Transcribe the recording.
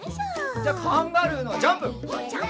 じゃあカンガルーのジャンプ。